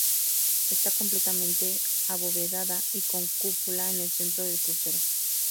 Está completamente abovedada y con cúpula en el centro del crucero.